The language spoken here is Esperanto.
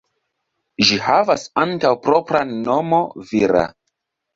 Ĝi havas ankaŭ propran nomo "Mira".